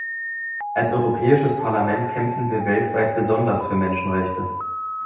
Als Europäisches Parlament kämpfen wir weltweit besonders für Menschenrechte.